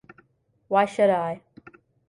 Why should I?